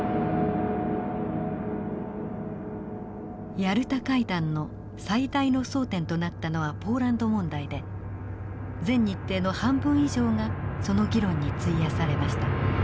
ヤルタ会談の最大の争点となったのはポーランド問題で全日程の半分以上がその議論に費やされました。